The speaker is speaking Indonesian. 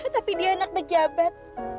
tapi dia anak pejabat